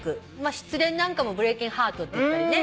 失恋なんかもブレイキングハートって言ったり。